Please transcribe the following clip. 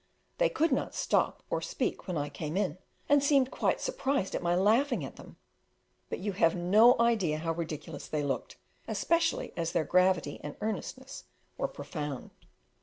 They could not stop or speak when I came in, and seemed quite surprised at my laughing at them; but you have no idea how ridiculous they looked, especially as their gravity and earnestness were profound.